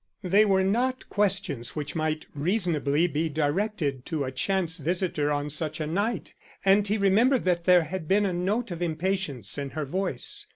They were not questions which might reasonably be directed to a chance visitor on such a night, and he remembered that there had been a note of impatience in her voice.